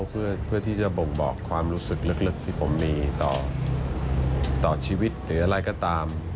เพื่อที่จะบ่งบอกความรู้สึกลึกที่ผมมีต่อชีวิตหรืออะไรก็ตาม